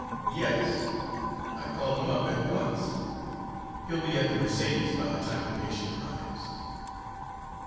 "Yes, I called him up at once; he'll be at the Mercedes by the time the patient arrives."